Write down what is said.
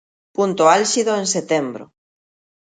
Punto álxido en setembro.